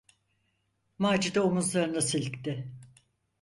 Macide omuzlarını silkti.